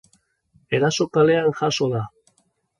Erasoa kalean jazo da.